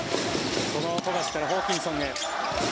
その富樫からホーキンソンへ。